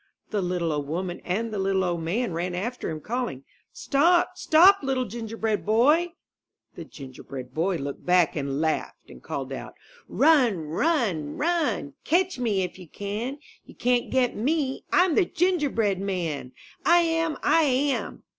The little old woman and the little old man ran after him, calling: "Stop! Stop! Little Gingerbread Boy!" :^ 122 I N THE NURSERY The Gingerbread Boy looked back and laughed and called out: '^Run! Run! Run! Catch me if you can! You can't get me! Fm the Gingerbread Man, I am! I am!